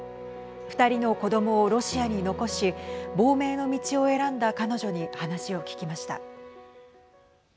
２人の子どもをロシアに残し亡命の道を選んだ彼女に話を聞きました。